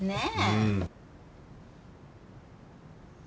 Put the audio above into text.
うん。